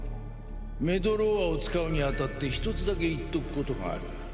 メドローアを使うにあたって１つだけ言っとくことがある。